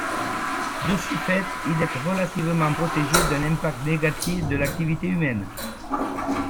De ce fait il est relativement protégé d'un impact négatif de l'activité humaine.